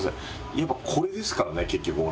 やっぱこれですからね結局俺。